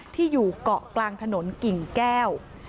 ที่อยู่เกาะกลางถนนกิ่งแก้ว